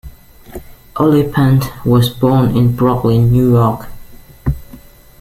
Oliphant was born in Brooklyn, New York.